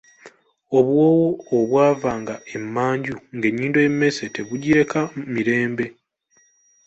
Obuwoowo obw'ava nga emanju ng'ennyindo y'emmese tebugireka mirembe!